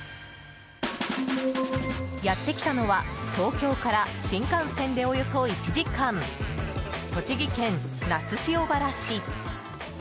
やってきたのは東京から新幹線でおよそ１時間栃木県那須塩原市。